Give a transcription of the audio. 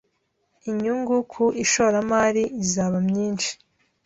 Inyungu ku ishoramari izaba myinshi